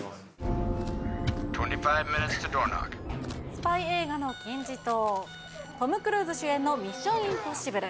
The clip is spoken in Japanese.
スパイ映画の金字塔トム・クルーズ主演の『ミッション：インポッシブル』